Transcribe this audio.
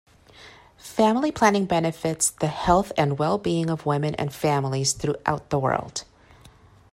Family planning benefits the health and well-being of women and families throughout the world.